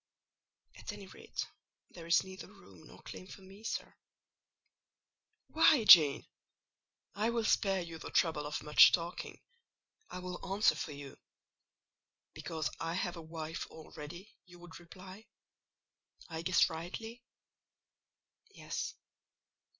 "At any rate, there is neither room nor claim for me, sir." "Why, Jane? I will spare you the trouble of much talking; I will answer for you—Because I have a wife already, you would reply.—I guess rightly?" "Yes."